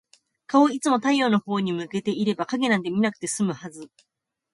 顔をいつも太陽のほうに向けていれば、影なんて見なくて済むはず。